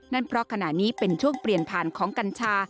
นั่นเพราะขณะนี้เป็นช่วงเปลี่ยนผ่านของกัญชา